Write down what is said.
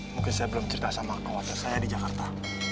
mungkin saya belum cerita sama keluarga saya di jakarta